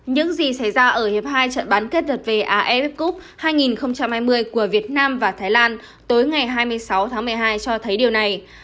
những gì xảy ra ở hiệp hai trận bán kết đợt về af cup hai nghìn hai mươi của việt nam và thái lan tối ngày hai mươi sáu tháng một mươi hai cho thấy điều này